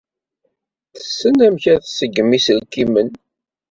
Tessen amek ad tṣeggem iselkimen.